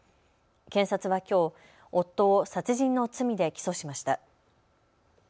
検察はきょう、夫を殺人の罪で起訴しました。